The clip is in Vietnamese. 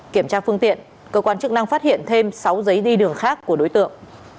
kiểm tra phương tiện cơ quan chức năng phát hiện thêm sáu giấy đi đường khác của đối tượng